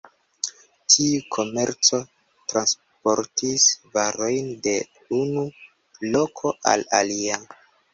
Tiu komerco transportis varojn de unu loko al alia.